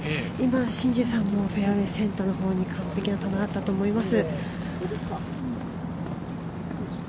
シン・ジエさんのフェアウエー、センターのほうに完璧だったと思います。